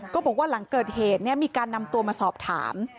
ก็บอกว่าหลังเกิดเหตุมีการนำตัวมาสอบถาม